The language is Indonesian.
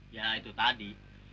ya itu tadi